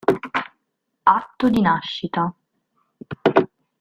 Atto di nascita